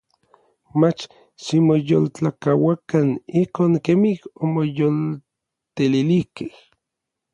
Mach ximoyoltlakuauakan ijkon kemij omoyoltetilijkej.